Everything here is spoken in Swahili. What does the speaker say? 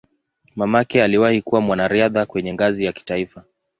Mamake aliwahi kuwa mwanariadha kwenye ngazi ya kitaifa.